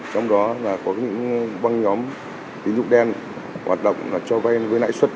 trong đó là có những băng nhóm tính dụng đen hoạt động cho vay với nãi xuất